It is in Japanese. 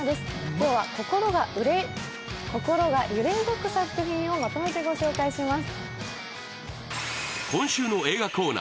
今日は心が揺れ動く作品をまとめてご紹介します。